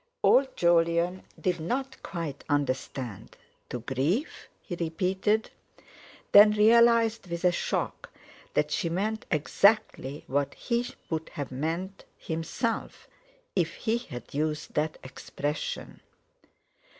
Old Jolyon did not quite understand. "To grief?" he repeated; then realised with a shock that she meant exactly what he would have meant himself if he had used that expression.